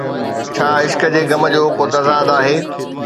ڇا عشق جي غم جو ڪو تضاد آهي؟